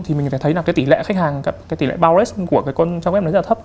thì mình có thể thấy là cái tỉ lệ khách hàng cái tỉ lệ bounce rate của cái con trang web này rất là thấp